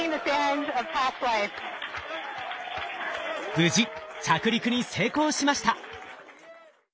無事着陸に成功しました！